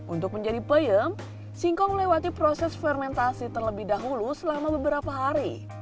untuk menjadi peyem singkong melewati proses fermentasi terlebih dahulu selama beberapa hari